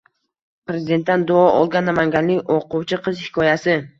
Prezidentdan duo olgan namanganlik o‘quvchi qiz hikoyasi